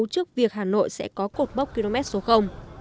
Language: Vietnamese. trước việc hà nội sẽ có cột mốc km số